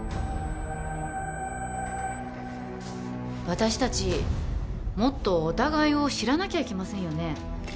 私達もっとお互いを知らなきゃいけませんよね